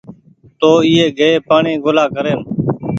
تو ايئي گئي پآڻيٚ ڳولآ ڪرين